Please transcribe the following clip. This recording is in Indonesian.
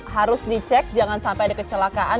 harus dicek jangan sampai ada kecelakaan